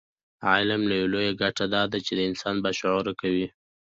علم لویه ګټه دا ده چې انسان باشعوره کوي.